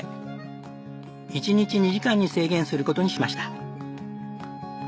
１日２時間に制限する事にしました。